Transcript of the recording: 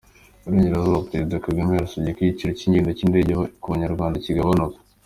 Iburengerazuba: Perezida Kagame yasabye ko igiciro cy’ingendo z’indege ku Banyarwanda kigabanuka.